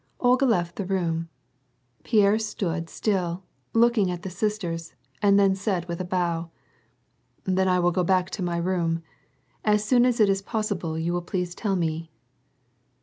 Olga left the room. Pierre stood still, looking at the sis ters and then said with a bow, —•" Then I will go back to ray room. As soon as it is possible you will please tell me."